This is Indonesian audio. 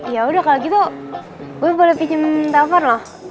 yaudah kalo gitu gue boleh pinjem telepon loh